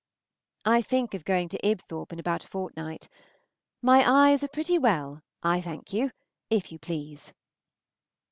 I think of going to Ibthorp in about a fortnight. My eyes are pretty well, I thank you, if you please.